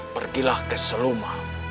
pergilah ke seluma